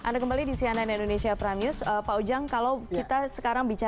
terima kasih selera dimnhlas sema cansari kerja